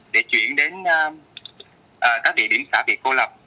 để chuyển đến các địa điểm đã bị cô lập